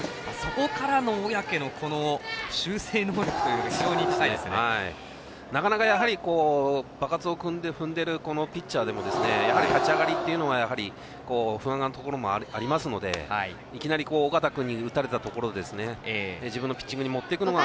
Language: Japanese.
そこからの小宅の修正能力というのがなかなか場数を踏んでるピッチャーでも立ち上がりっていうのは不安なところもありますのでいきなり緒方君に打たれたところ自分のピッチングに持っていくのは。